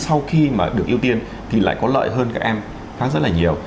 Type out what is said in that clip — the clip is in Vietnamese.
sau khi mà được ưu tiên thì lại có lợi hơn các em khác rất là nhiều